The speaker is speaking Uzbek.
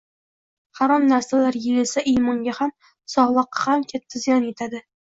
Harom narsalar yeyilsa imonga ham, sog‘liqqa ham katta ziyon yetadi.